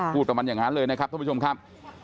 พูดประมาณอย่างนั้นเลยนะครับท่านผู้ชมครับ